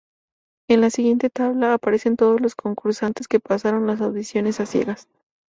En la siguiente tabla aparecen todos los concursantes que pasaron las audiciones a ciegas.